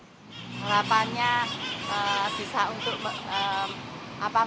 harapannya bisa untuk